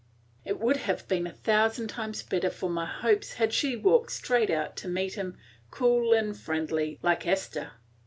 It would have been a thousand times better for my hopes had she walked straight out to meet him, cool and friendly, like Esther.